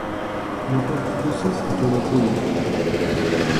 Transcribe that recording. Ñuqataq kusisqa churakuni.